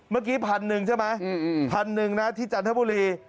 เมื่อกี้๑๐๐๐บาทใช่ไหม๑๐๐๐บาทนะที่จันทบุรี